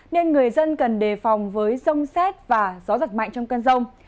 nên người dân cần đề phòng với rông xét và gió giật mạnh trong cơn rông